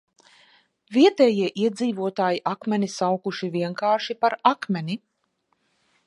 Vietējie iedzīvotāji akmeni saukuši vienkārši par Akmeni.